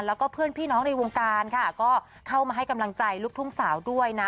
แล้วก็เพื่อนพี่น้องในวงการค่ะก็เข้ามาให้กำลังใจลูกทุ่งสาวด้วยนะ